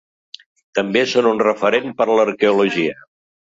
També són un referent per a l'arqueologia.